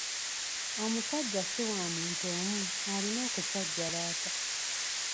Omusajja si wa muntu omu, alina okusajjalaata.